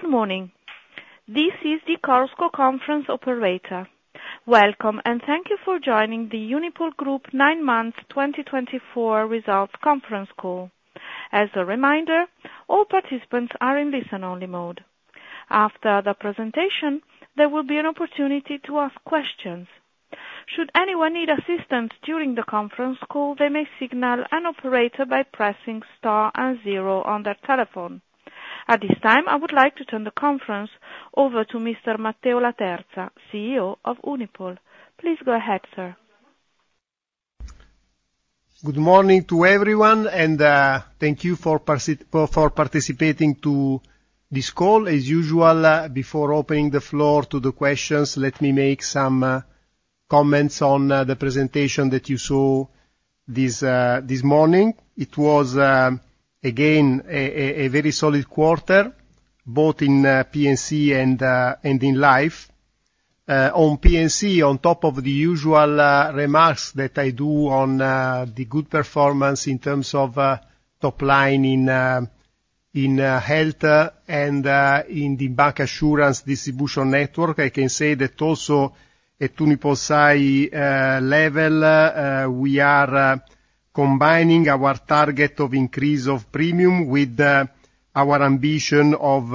Good morning. This is the Chorus Call Conference Operator. Welcome, and thank you for joining the Unipol Gruppo nine month 2024 results conference call. As a reminder, all participants are in listen-only mode. After the presentation, there will be an opportunity to ask questions. Should anyone need assistance during the conference call, they may signal an operator by pressing star and zero on their telephone. At this time, I would like to turn the conference over to Mr. Matteo Laterza, CEO of Unipol. Please go ahead, sir. Good morning to everyone, and thank you for participating in this call. As usual, before opening the floor to the questions, let me make some comments on the presentation that you saw this morning. It was, again, a very solid quarter, both in P&C and in life. On P&C, on top of the usual remarks that I do on the good performance in terms of top line in health and in the bancassurance distribution network, I can say that also at UnipolSai level, we are combining our target of increase of premium with our ambition of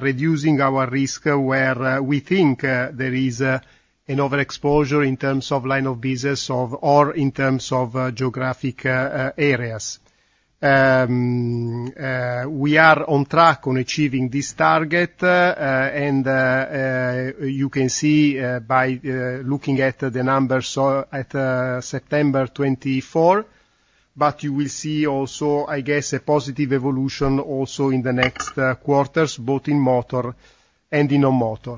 reducing our risk where we think there is an overexposure in terms of line of business or in terms of geographic areas. We are on track on achieving this target, and you can see by looking at the numbers at September 2024, but you will see also, I guess, a positive evolution also in the next quarters, both in motor and in non-motor.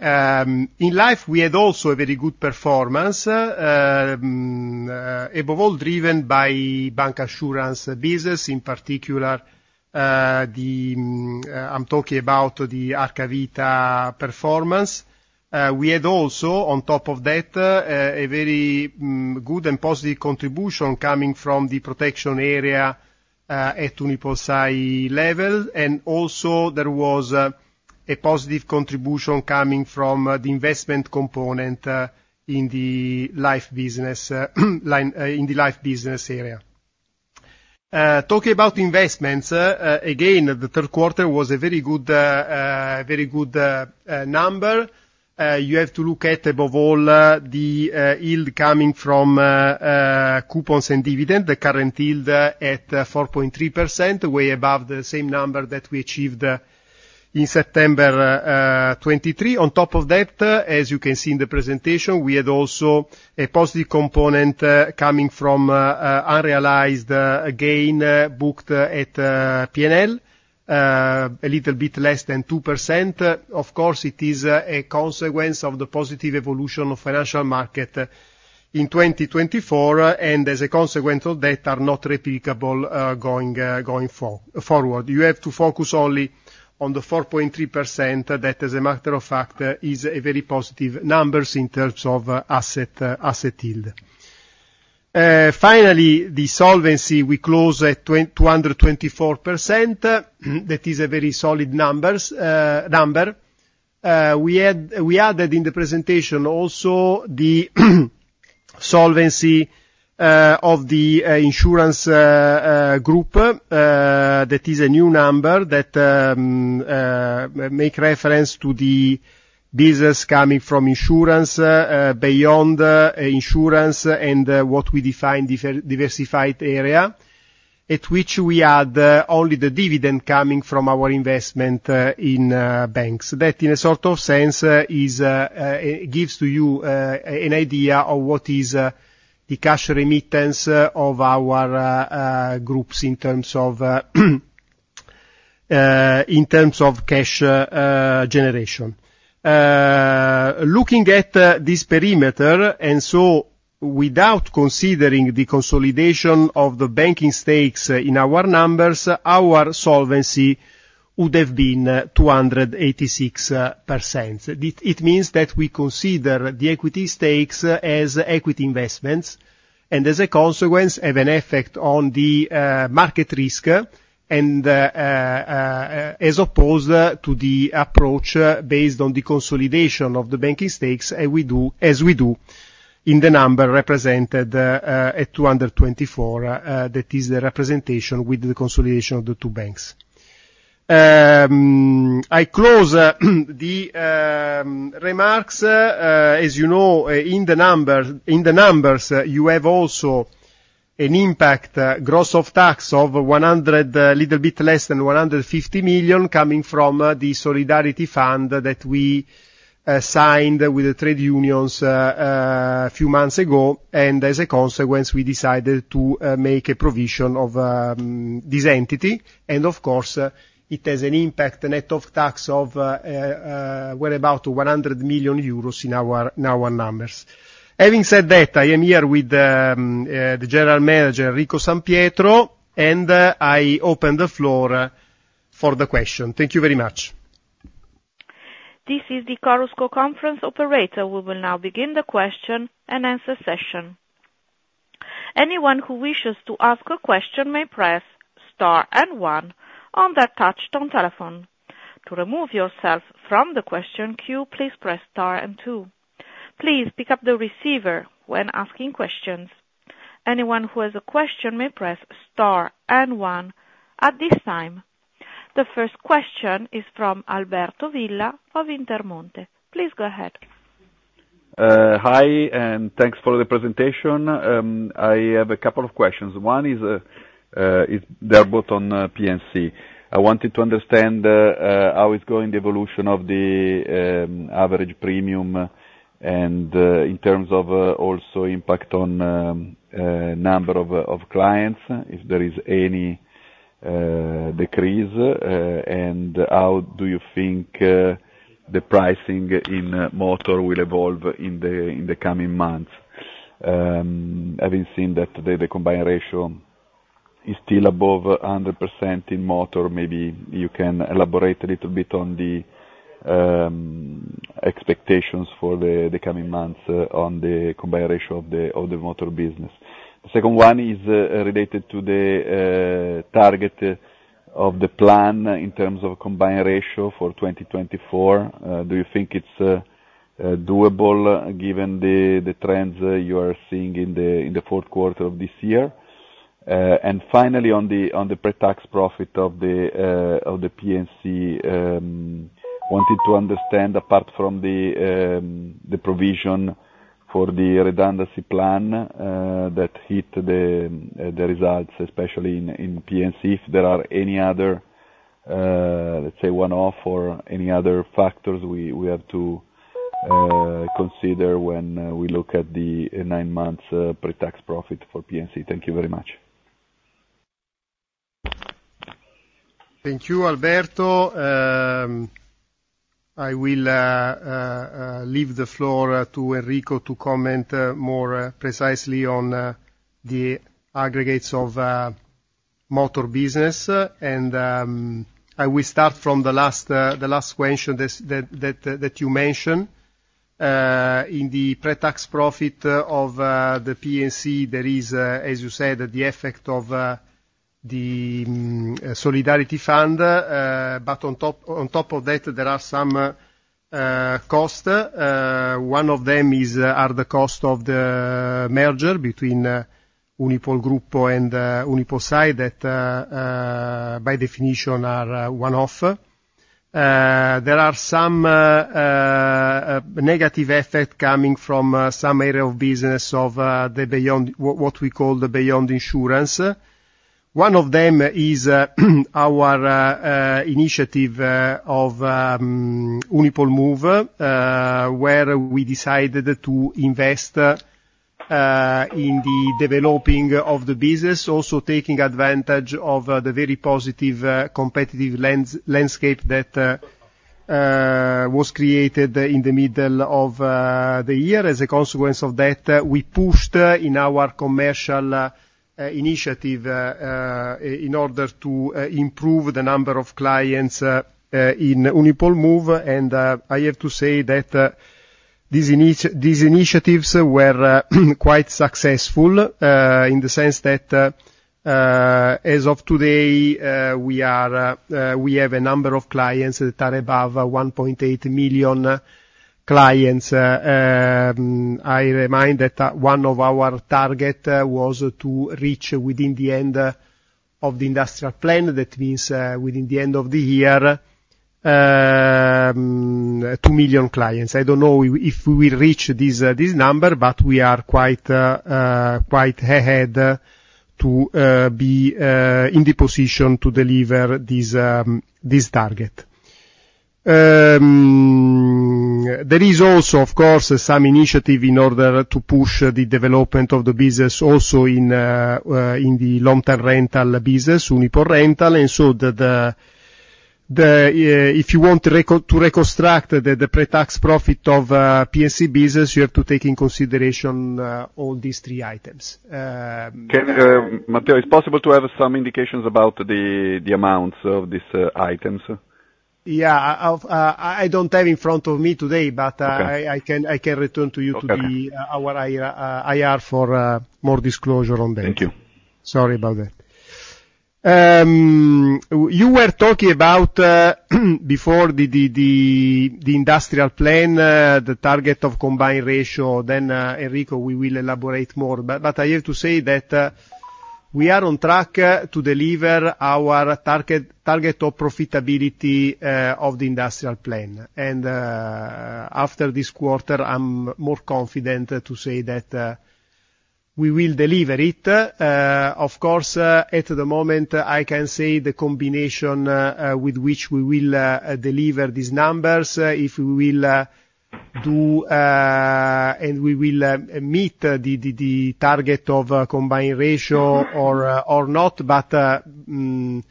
In life, we had also a very good performance, above all driven by bancassurance business, in particular, I'm talking about the Arca Vita performance. We had also, on top of that, a very good and positive contribution coming from the protection area at UnipolSai level, and also there was a positive contribution coming from the investment component in the life business area. Talking about investments, again, the third quarter was a very good number. You have to look at, above all, the yield coming from coupons and dividend, the current yield at 4.3%, way above the same number that we achieved in September 2023. On top of that, as you can see in the presentation, we had also a positive component coming from unrealized gain booked at P&L, a little bit less than 2%. Of course, it is a consequence of the positive evolution of financial market in 2024, and as a consequence of that, are not replicable going forward. You have to focus only on the 4.3% that, as a matter of fact, is a very positive number in terms of asset yield. Finally, the solvency, we close at 224%. That is a very solid number. We added in the presentation also the solvency of the insurance group. That is a new number that makes reference to the business coming from insurance, beyond insurance, and what we define diversified area, at which we add only the dividend coming from our investment in banks. That, in a sort of sense, gives you an idea of what is the cash remittance of our groups in terms of cash generation. Looking at this perimeter, and so without considering the consolidation of the banking stakes in our numbers, our solvency would have been 286%. It means that we consider the equity stakes as equity investments and, as a consequence, have an effect on the market risk and as opposed to the approach based on the consolidation of the banking stakes as we do in the number represented at 224%. That is the representation with the consolidation of the two banks. I close the remarks. As you know, in the numbers, you have also an impact gross of tax of a little bit less than 150 million coming from the Solidarity Fund that we signed with the trade unions a few months ago, and as a consequence, we decided to make a provision of this entity, and of course, it has an impact net of tax of well about 100 million euros in our numbers. Having said that, I am here with the General Manager, Enrico San Pietro, and I open the floor for the question. Thank you very much. This is the Chorus Call Conference Operator. We will now begin the question and answer session. Anyone who wishes to ask a question may press star and one on their touch-tone telephone. To remove yourself from the question queue, please press star and two. Please pick up the receiver when asking questions. Anyone who has a question may press star and one at this time. The first question is from Alberto Villa of Intermonte. Please go ahead. Hi, and thanks for the presentation. I have a couple of questions. One is they're both on P&C. I wanted to understand how is going the evolution of the average premium and in terms of also impact on number of clients, if there is any decrease, and how do you think the pricing in motor will evolve in the coming months. Having seen that the combined ratio is still above 100% in motor, maybe you can elaborate a little bit on the expectations for the coming months on the combined ratio of the motor business. The second one is related to the target of the plan in terms of combined ratio for 2024. Do you think it's doable given the trends you are seeing in the fourth quarter of this year? Finally, on the pre-tax profit of the P&C, wanted to understand apart from the provision for the redundancy plan that hit the results, especially in P&C, if there are any other, let's say, one-off or any other factors we have to consider when we look at the nine-month pre-tax profit for P&C? Thank you very much. Thank you, Alberto. I will leave the floor to Enrico to comment more precisely on the aggregates of motor business, and I will start from the last question that you mentioned. In the pre-tax profit of the P&C, there is, as you said, the effect of the Solidarity Fund, but on top of that, there are some costs. One of them is the cost of the merger between Unipol Gruppo and UnipolSai that, by definition, are one-off. There are some negative effects coming from some area of business of what we call the beyond insurance. One of them is our initiative of UnipolMove, where we decided to invest in the developing of the business, also taking advantage of the very positive competitive landscape that was created in the middle of the year. As a consequence of that, we pushed in our commercial initiative in order to improve the number of clients in UnipolMove, and I have to say that these initiatives were quite successful in the sense that, as of today, we have a number of clients that are above 1.8 million clients. I remind that one of our targets was to reach within the end of the industrial plan, that means within the end of the year, 2 million clients. I don't know if we will reach this number, but we are quite ahead to be in the position to deliver this target. There is also, of course, some initiative in order to push the development of the business also in the long-term rental business, UnipolRental, and so that if you want to reconstruct the pre-tax profit of P&C business, you have to take into consideration all these three items. Matteo, it's possible to have some indications about the amounts of these items? Yeah, I don't have it in front of me today, but I can refer you to our IR for more disclosure on that. Thank you. Sorry about that. You were talking about before the industrial plan, the target of combined ratio. Then, Enrico, we will elaborate more, but I have to say that we are on track to deliver our target of profitability of the industrial plan. And after this quarter, I'm more confident to say that we will deliver it. Of course, at the moment, I can say the combination with which we will deliver these numbers, if we will do and we will meet the target of combined ratio or not, but no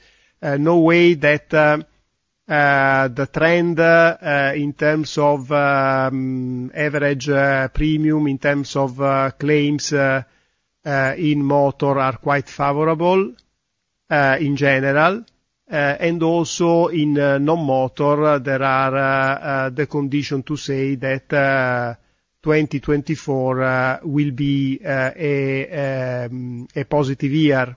way that the trend in terms of average premium in terms of claims in motor are quite favorable in general. And also in non-motor, there are the condition to say that 2024 will be a positive year,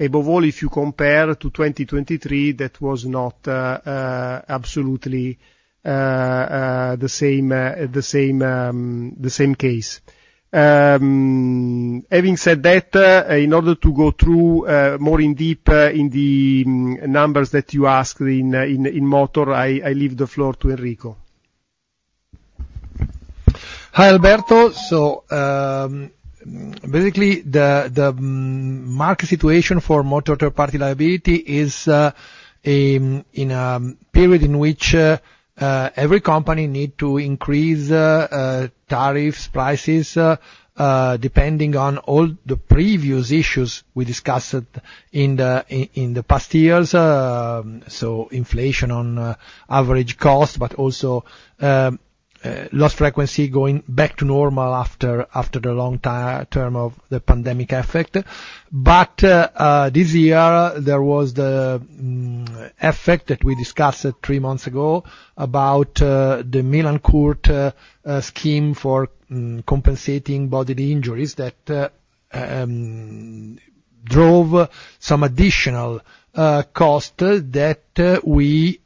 above all if you compare to 2023 that was not absolutely the same case. Having said that, in order to go through more in depth in the numbers that you asked in motor, I leave the floor to Enrico. Hi, Alberto. So basically, the market situation for motor third-party liability is in a period in which every company needs to increase tariffs, prices, depending on all the previous issues we discussed in the past years. So inflation on average cost, but also loss frequency going back to normal after the long-term of the pandemic effect. But this year, there was the effect that we discussed three months ago about the Milan Court tables for compensating bodily injuries that drove some additional costs that we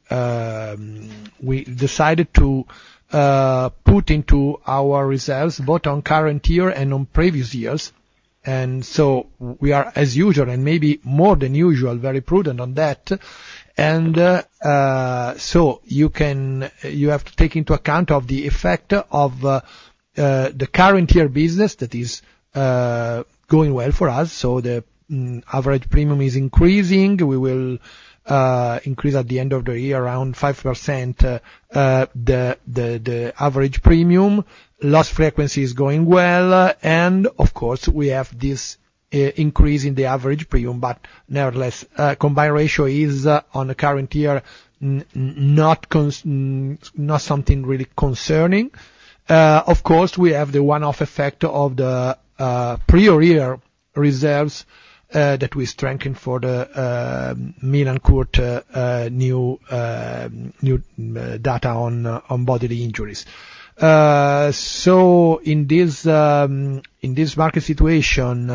decided to put into our reserves, both on current year and on previous years, and so we are, as usual, and maybe more than usual, very prudent on that. You have to take into account the effect of the current year business that is going well for us. So the average premium is increasing. We will increase at the end of the year around 5% the average premium. Loss frequency is going well. And of course, we have this increase in the average premium, but nevertheless, combined ratio is on the current year not something really concerning. Of course, we have the one-off effect of the prior year reserves that we strengthen for the Milan Court new data on bodily injuries. So in this market situation,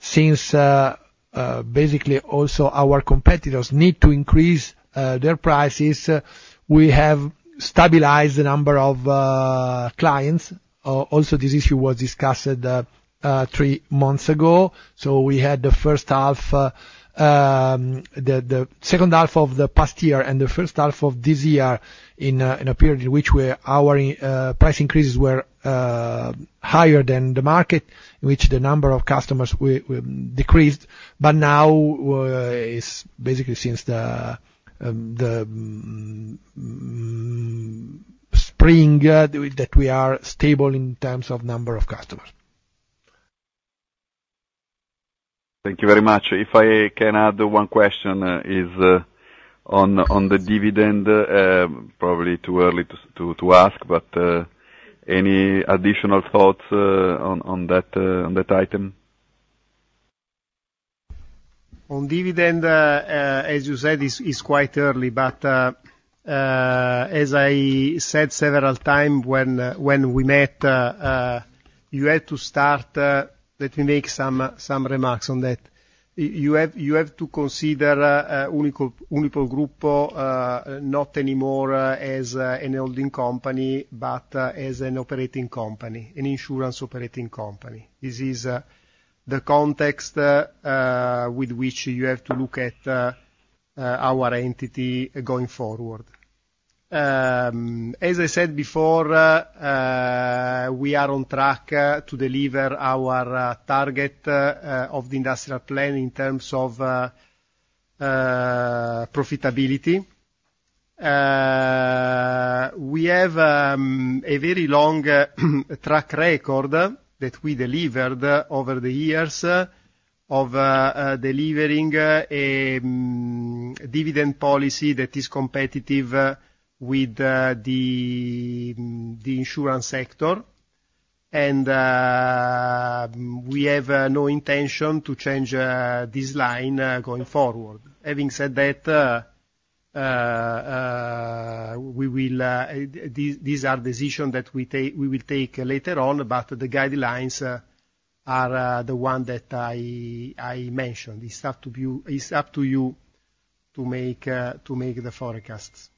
since basically also our competitors need to increase their prices, we have stabilized the number of clients. Also, this issue was discussed three months ago. So we had the first half, the second half of the past year, and the first half of this year in a period in which our price increases were higher than the market, in which the number of customers decreased. But now, it's basically since the spring that we are stable in terms of number of customers. Thank you very much. If I can add one question on the dividend, probably too early to ask, but any additional thoughts on that item? On dividend, as you said, it's quite early, but as I said several times when we met, you had to start. Let me make some remarks on that. You have to consider Unipol Gruppo not anymore as a holding company, but as an operating company, an insurance operating company. This is the context with which you have to look at our entity going forward. As I said before, we are on track to deliver our target of the industrial plan in terms of profitability. We have a very long track record that we delivered over the years of delivering a dividend policy that is competitive with the insurance sector, and we have no intention to change this line going forward. Having said that, these are decisions that we will take later on, but the guidelines are the one that I mentioned. It's up to you to make the forecasts.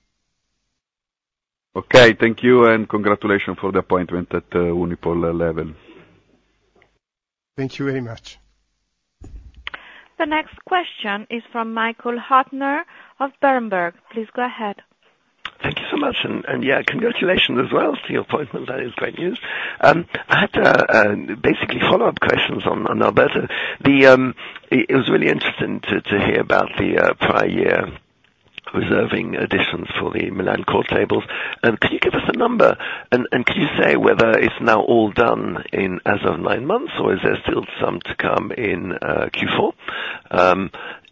Okay, thank you, and congratulations for the appointment at Unipol level. Thank you very much. The next question is from Michael Huttner of Berenberg. Please go ahead. Thank you so much, and yeah, congratulations as well to your appointment. That is great news. I had basically follow-up questions on Alberto. It was really interesting to hear about the prior year reserving additions for the Milan Court Tables. Could you give us a number, and could you say whether it's now all done as of nine months, or is there still some to come in Q4?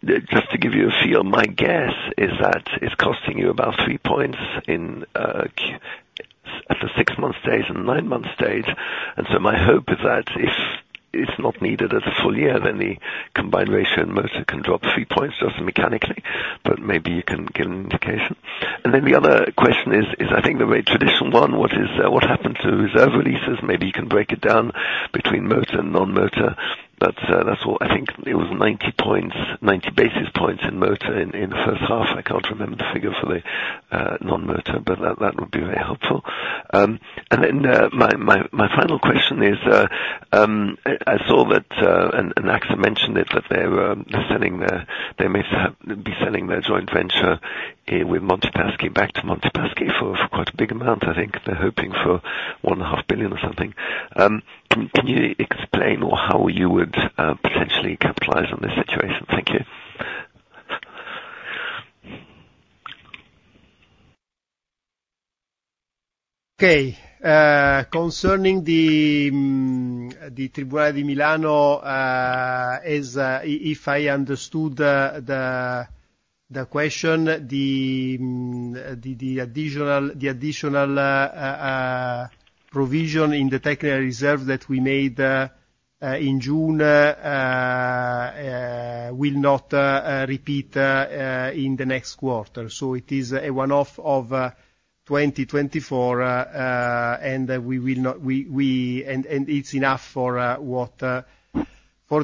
Just to give you a feel, my guess is that it's costing you about three points at the six-month stage and nine-month stage, and so my hope is that if it's not needed as a full year, then the Combined Ratio in motor can drop three points just mechanically, but maybe you can give an indication, and then the other question is, I think the very traditional one, what happened to reserve releases? Maybe you can break it down between motor and non-motor, but that's all. I think it was 90 basis points in motor in the first half. I can't remember the figure for the non-motor, but that would be very helpful. And then my final question is, I saw that and AXA mentioned it, that they may be selling their joint venture with Monte dei Paschi back to Monte dei Paschi for quite a big amount. I think they're hoping for 1.5 billion or something. Can you explain how you would potentially capitalize on this situation? Thank you. Okay. Concerning the Tribunale di Milano, if I understood the question, the additional provision in the technical reserve that we made in June will not repeat in the next quarter so it is a one-off of 2024, and it's enough for the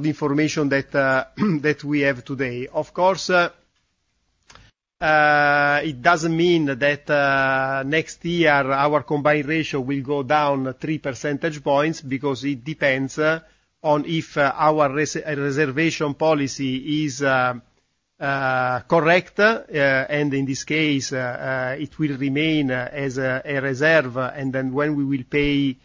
information that we have today. Of course, it doesn't mean that next year our combined ratio will go down three percentage points because it depends on if our reservation policy is correct, and in this case, it will remain as a reserve, and then when we will pay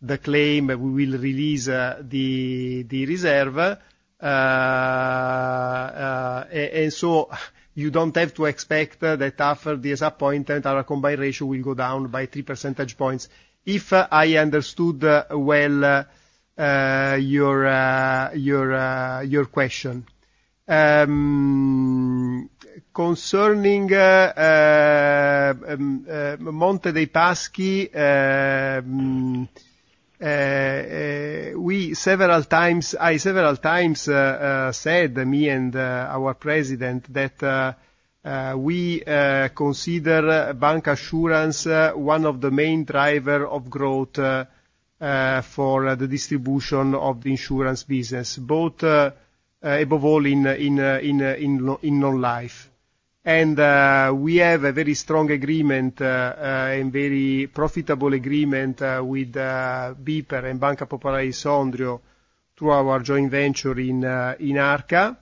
the claim, we will release the reserve and so you don't have to expect that after this appointment, our combined ratio will go down by three percentage points, if I understood well your question. Concerning Monte dei Paschi, several times I said, me and our president, that we consider bancassurance one of the main drivers of growth for the distribution of the insurance business, both above all in non-life, and we have a very strong agreement, a very profitable agreement with BPER and Banca Popolare di Sondrio through our joint venture in Arca.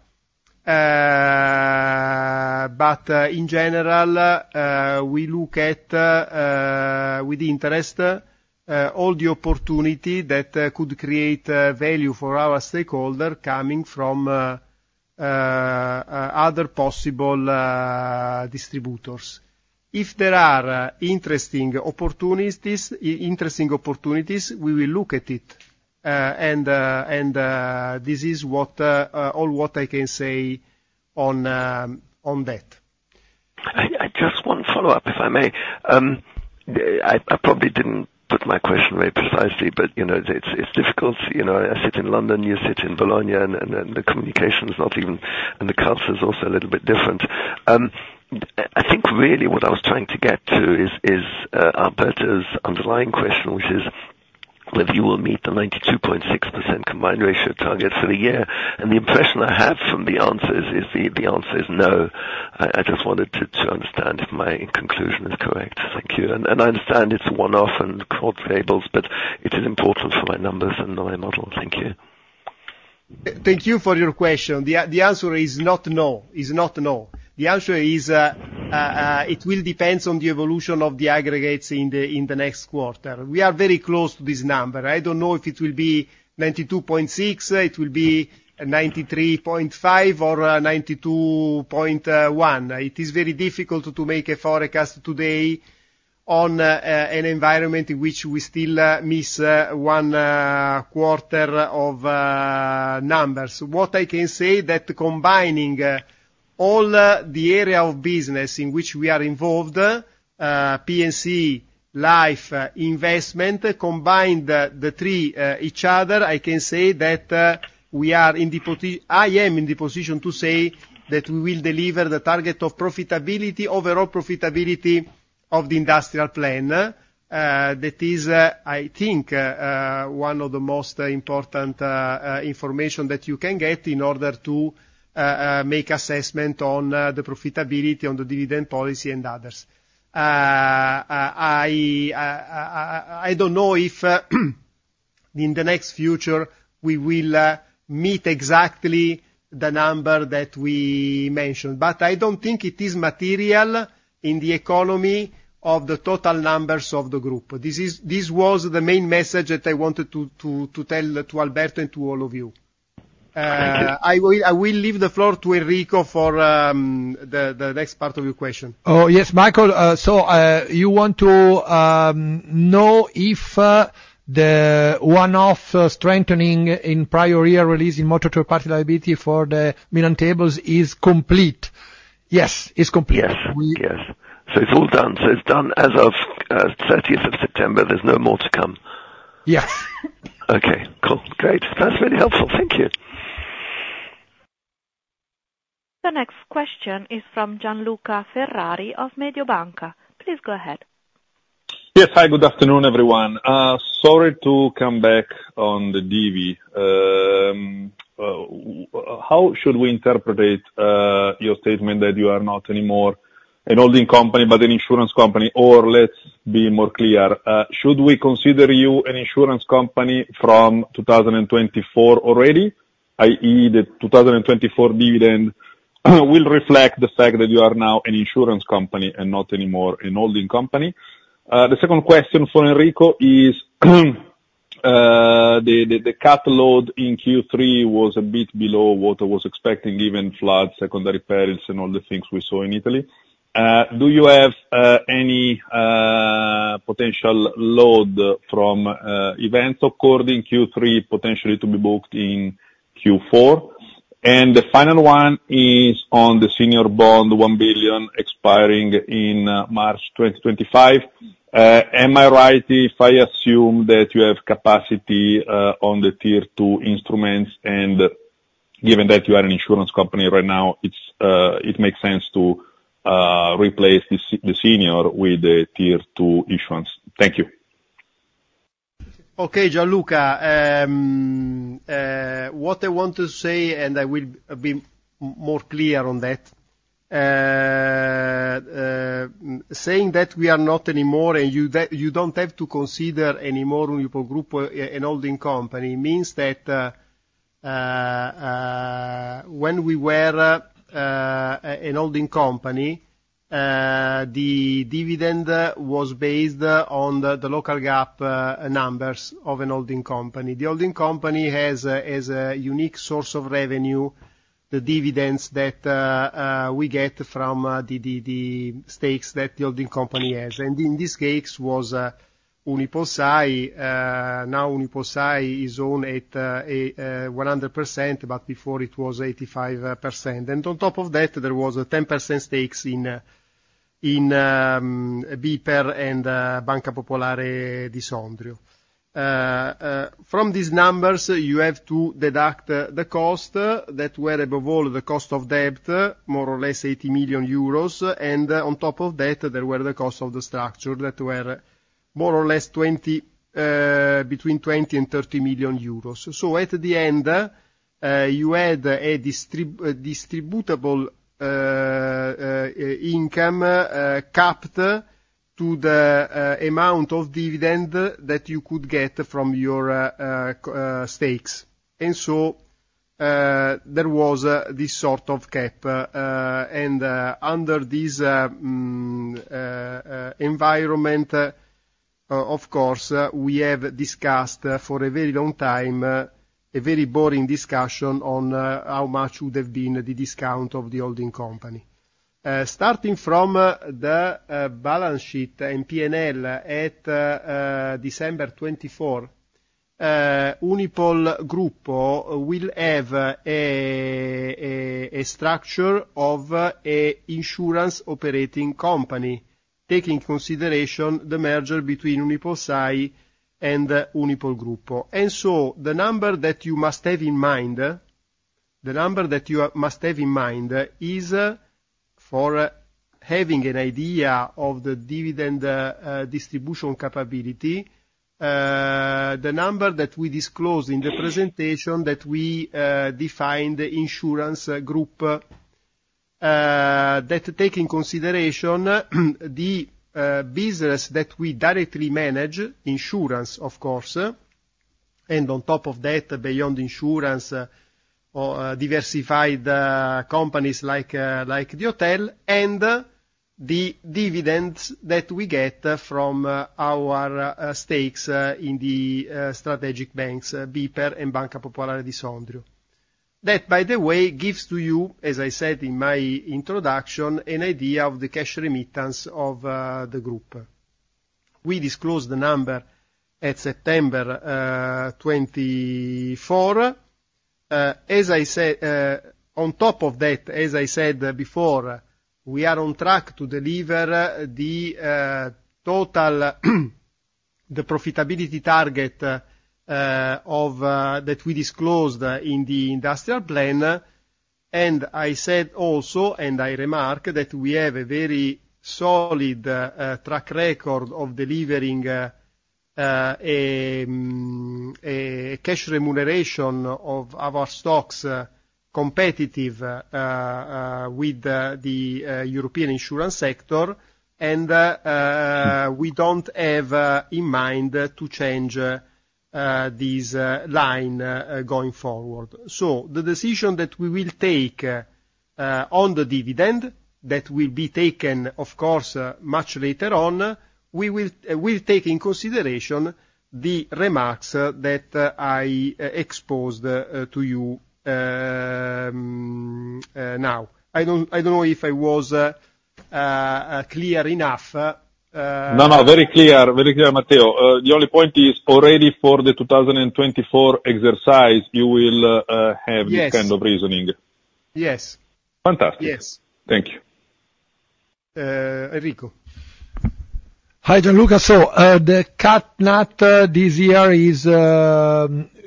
But in general, we look at, with interest, all the opportunities that could create value for our stakeholders coming from other possible distributors. If there are interesting opportunities, we will look at it, and this is all what I can say on that. I just want to follow up, if I may. I probably didn't put my question very precisely, but it's difficult. I sit in London, you sit in Bologna, and the communication is not even, and the culture is also a little bit different. I think really what I was trying to get to is Alberto's underlying question, which is whether you will meet the 92.6% combined ratio target for the year, and the impression I have from the answers is the answer is no. I just wanted to understand if my conclusion is correct. Thank you, and I understand it's a one-off and court tables, but it is important for my numbers and my model. Thank you. Thank you for your question. The answer is not no. It's not no. The answer is it will depend on the evolution of the aggregates in the next quarter. We are very close to this number. I don't know if it will be 92.6, it will be 93.5, or 92.1. It is very difficult to make a forecast today on an environment in which we still miss one quarter of numbers. What I can say is that combining all the area of business in which we are involved, P&C, life, investment, combined the three each other, I can say that I am in the position to say that we will deliver the target of profitability, overall profitability of the industrial plan. That is, I think, one of the most important information that you can get in order to make assessment on the profitability on the dividend policy and others. I don't know if in the next future we will meet exactly the number that we mentioned, but I don't think it is material in the economy of the total numbers of the group. This was the main message that I wanted to tell to Alberto and to all of you. I will leave the floor to Enrico for the next part of your question. Oh, yes, Michael. So you want to know if the one-off strengthening in prior year release in motor third-party liability for the Milan tables is complete? Yes, it's complete. Yes. Yes. So it's all done. So it's done as of 30th of September. There's no more to come. Yes. Okay. Cool. Great. That's really helpful. Thank you. The next question is from Gianluca Ferrari of Mediobanca. Please go ahead. Yes. Hi, good afternoon, everyone. Sorry to come back on the divi. How should we interpret your statement that you are not anymore a holding company but an insurance company? Or let's be more clear. Should we consider you an insurance company from 2024 already, i.e., the 2024 dividend will reflect the fact that you are now an insurance company and not anymore a holding company? The second question for Enrico is the cat load in Q3 was a bit below what I was expecting, given floods, secondary perils, and all the things we saw in Italy. Do you have any potential load from events occurred in Q3 potentially to be booked in Q4? And the final one is on the senior bond, 1 billion, expiring in March 2025. Am I right if I assume that you have capacity on the tier two instruments? Given that you are an insurance company right now, it makes sense to replace the senior with the tier two issuance. Thank you. Okay, Gianluca. What I want to say, and I will be more clear on that, saying that we are not anymore, and you don't have to consider anymore Unipol Gruppo an holding company, means that when we were an holding company, the dividend was based on the local GAAP numbers of an holding company. The holding company has a unique source of revenue, the dividends that we get from the stakes that the holding company has. And in this case, it was UnipolSai. Now UnipolSai is owned at 100%, but before it was 85%. And on top of that, there was a 10% stakes in BPER and Banca Popolare di Sondrio. From these numbers, you have to deduct the cost that were above all the cost of debt, more or less 80 million euros. And on top of that, there were the costs of the structure that were more or less between 20 million and 30 million euros. So at the end, you had a distributable income capped to the amount of dividend that you could get from your stakes. And so there was this sort of cap. And under this environment, of course, we have discussed for a very long time, a very boring discussion on how much would have been the discount of the holding company. Starting from the balance sheet and P&L at December 24, Unipol Gruppo will have a structure of an insurance operating company, taking consideration the merger between UnipolSai and Unipol Gruppo. The number that you must have in mind is for having an idea of the dividend distribution capability, the number that we disclose in the presentation that we defined insurance group, that taking into consideration the business that we directly manage, insurance, of course, and on top of that, beyond insurance, diversified companies like the hotel, and the dividends that we get from our stakes in the strategic banks, BPER and Banca Popolare di Sondrio. That, by the way, gives to you, as I said in my introduction, an idea of the cash remittance of the group. We disclosed the number at September 24. As I said, on top of that, as I said before, we are on track to deliver the total profitability target that we disclosed in the industrial plan. And I said also, and I remark, that we have a very solid track record of delivering a cash remuneration of our stocks competitive with the European insurance sector, and we don't have in mind to change this line going forward. So the decision that we will take on the dividend that will be taken, of course, much later on, we will take in consideration the remarks that I exposed to you now. I don't know if I was clear enough. No, no, very clear, very clear, Matteo. The only point is already for the 2024 exercise, you will have this kind of reasoning. Yes. Fantastic. Yes. Thank you. Enrico. Hi, Gianluca. So the combined ratio this year is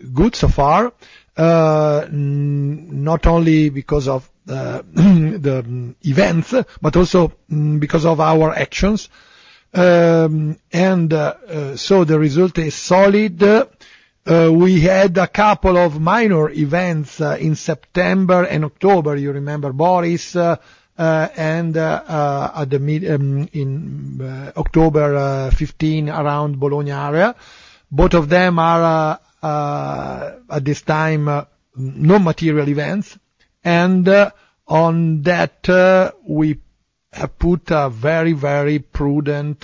good so far, not only because of the events, but also because of our actions. And so the result is solid. We had a couple of minor events in September and October, you remember, Boris, and in October 15 around Bologna area. Both of them are at this time non-material events. And on that, we put a very, very prudent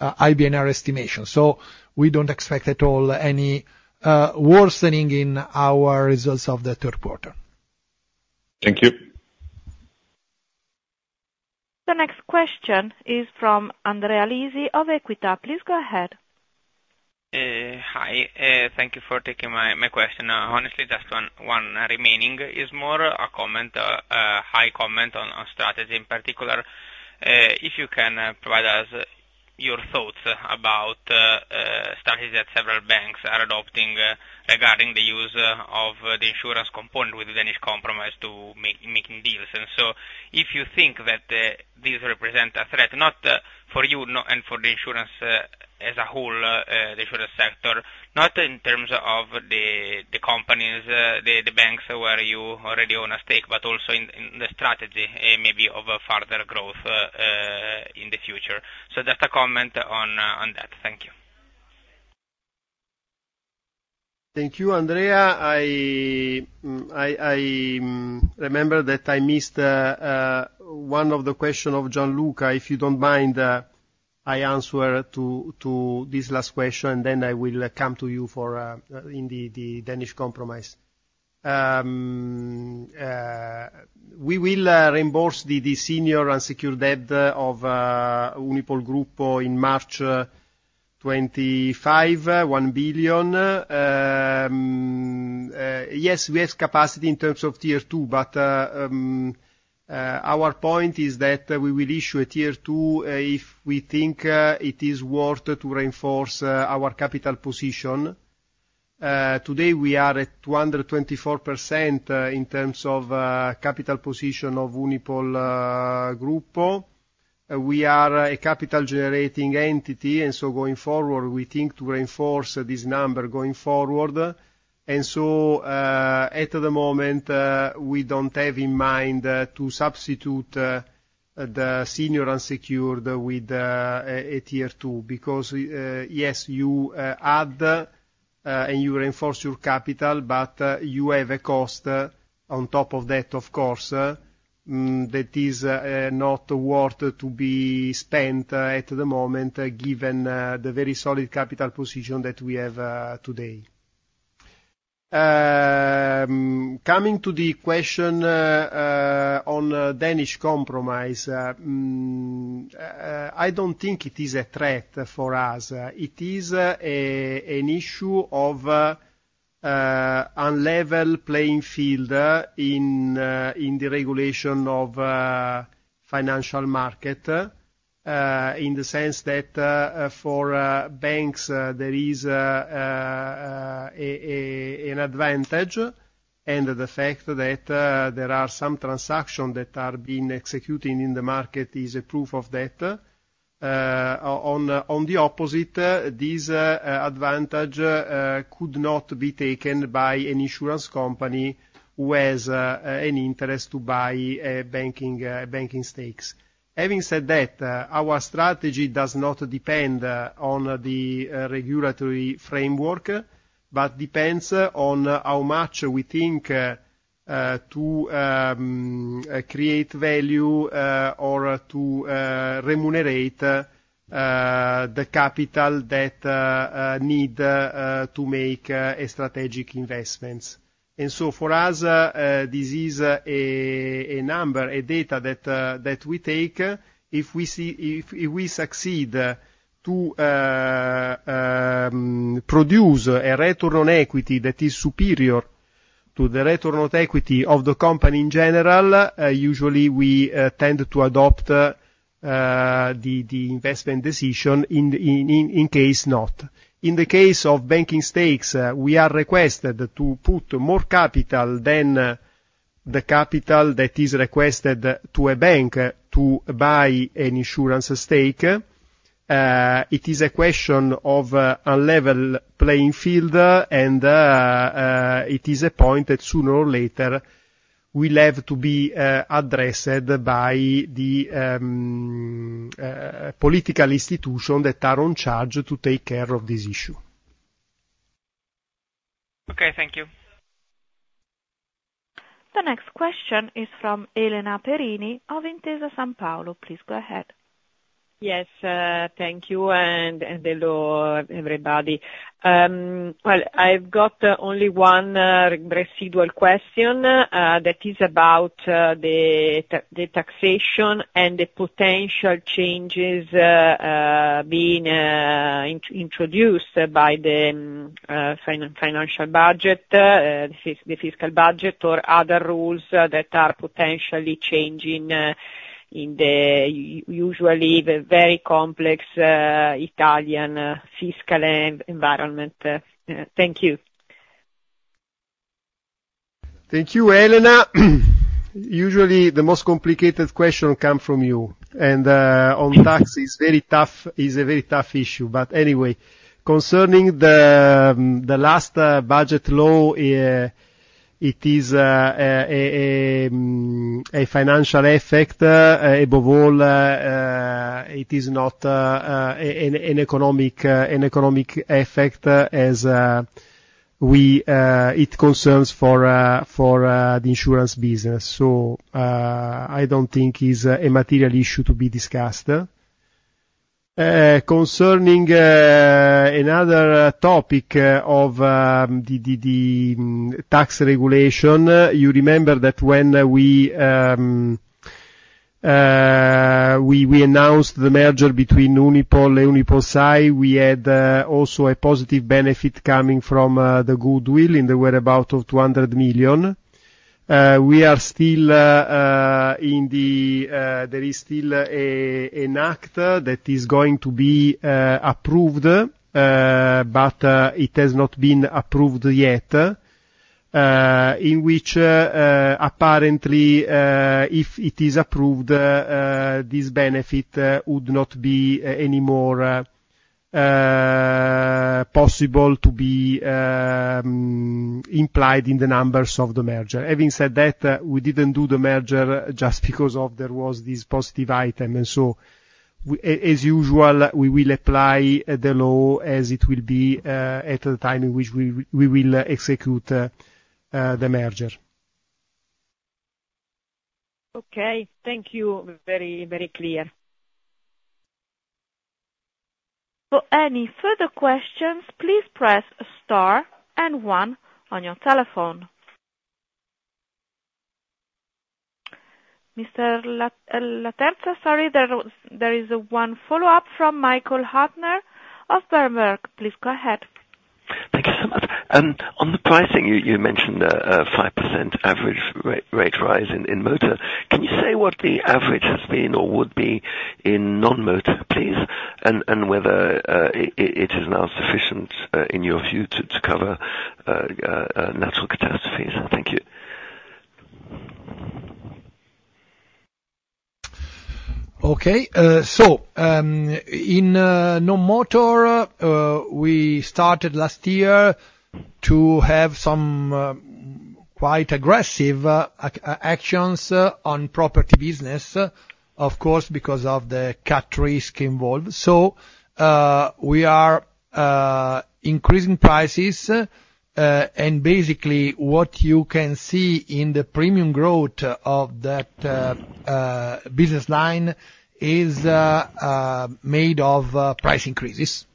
IBNR estimation. So we don't expect at all any worsening in our results of the third quarter. Thank you. The next question is from Andrea Lisi of Equita. Please go ahead. Hi. Thank you for taking my question. Honestly, just one remaining is more a comment, a high-level comment on strategy in particular. If you can provide us your thoughts about strategy that several banks are adopting regarding the use of the insurance component with the Danish Compromise to making deals, and so if you think that these represent a threat, not for you and for the insurance as a whole, the insurance sector, not in terms of the companies, the banks where you already own a stake, but also in the strategy maybe of further growth in the future, so just a comment on that. Thank you. Thank you, Andrea. I remember that I missed one of the questions of Gianluca. If you don't mind, I answer to this last question, and then I will come to you for the Danish compromise. We will reimburse the senior unsecured debt of Unipol Gruppo in March 2025, EUR 1 billion. Yes, we have capacity in terms of tier two, but our point is that we will issue a tier two if we think it is worth to reinforce our capital position. Today, we are at 224% in terms of capital position of Unipol Gruppo. We are a capital-generating entity, and so going forward, we think to reinforce this number going forward. At the moment, we don't have in mind to substitute the senior unsecured with a tier two because, yes, you add and you reinforce your capital, but you have a cost on top of that, of course, that is not worth to be spent at the moment given the very solid capital position that we have today. Coming to the question on Danish Compromise, I don't think it is a threat for us. It is an issue of unlevel playing field in the regulation of financial market in the sense that for banks, there is an advantage, and the fact that there are some transactions that are being executed in the market is a proof of that. On the opposite, this advantage could not be taken by an insurance company who has an interest to buy banking stakes. Having said that, our strategy does not depend on the regulatory framework, but depends on how much we think to create value or to remunerate the capital that need to make strategic investments. And so for us, this is a number, a data that we take. If we succeed to produce a return on equity that is superior to the return on equity of the company in general, usually we tend to adopt the investment decision in case not. In the case of banking stakes, we are requested to put more capital than the capital that is requested to a bank to buy an insurance stake. It is a question of uneven playing field, and it is a point that sooner or later will have to be addressed by the political institution that are in charge to take care of this issue. Okay. Thank you. The next question is from Elena Perini of Intesa Sanpaolo. Please go ahead. Yes. Thank you, and hello, everybody. Well, I've got only one residual question that is about the taxation and the potential changes being introduced by the financial budget, the fiscal budget, or other rules that are potentially changing in the usually very complex Italian fiscal environment. Thank you. Thank you, Elena. Usually, the most complicated question comes from you. And on tax, it's a very tough issue. But anyway, concerning the last budget law, it is a financial effect. Above all, it is not an economic effect as it concerns for the insurance business. So I don't think it's a material issue to be discussed. Concerning another topic of the tax regulation, you remember that when we announced the merger between Unipol and UnipolSai, we had also a positive benefit coming from the goodwill in the whereabouts of 200 million. There is still an act that is going to be approved, but it has not been approved yet, in which apparently, if it is approved, this benefit would not be any more possible to be implied in the numbers of the merger. Having said that, we didn't do the merger just because there was this positive item, and so, as usual, we will apply the law as it will be at the time in which we will execute the merger. Okay. Thank you. Very, very clear. For any further questions, please press star and one on your telephone. Mr. Laterza, sorry, there is one follow-up from Michael Huttner of Berenberg. Please go ahead. Thank you so much. And on the pricing, you mentioned a 5% average rate rise in motor. Can you say what the average has been or would be in non-motor, please, and whether it is now sufficient in your view to cover natural catastrophes? Thank you. Okay. So in non-motor, we started last year to have some quite aggressive actions on property business, of course, because of the cat risk involved. So we are increasing prices, and basically, what you can see in the premium growth of that business line is made of price increases.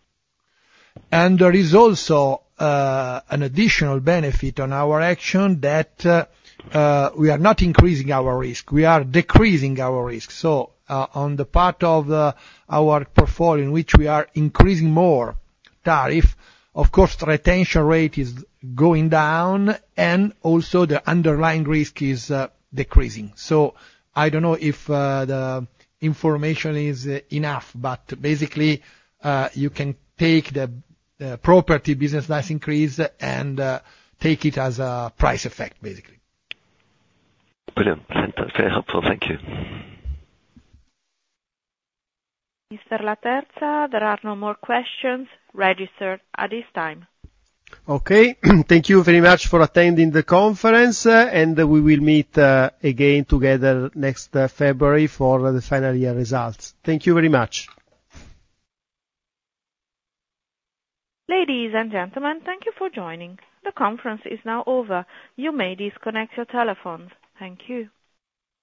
And there is also an additional benefit on our action that we are not increasing our risk. We are decreasing our risk. So on the part of our portfolio in which we are increasing more tariff, of course, retention rate is going down, and also the underlying risk is decreasing. So I don't know if the information is enough, but basically, you can take the property business price increase and take it as a price effect, basically. Brilliant. Very helpful. Thank you. Mr. Laterza, there are no more questions registered at this time. Okay. Thank you very much for attending the conference, and we will meet again together next February for the final year results. Thank you very much. Ladies and gentlemen, thank you for joining. The conference is now over. You may disconnect your telephones. Thank you.